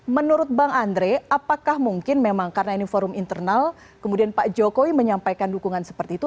menurut bang andre apakah mungkin memang karena ini forum internal kemudian pak jokowi menyampaikan dukungan seperti itu